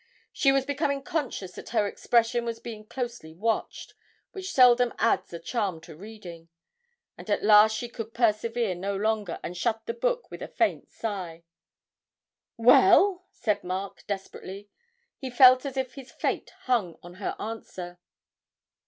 She was becoming conscious that her expression was being closely watched, which seldom adds a charm to reading, and at last she could persevere no longer, and shut the book with a faint sigh. 'Well,' said Mark, desperately; he felt as if his fate hung on her answer.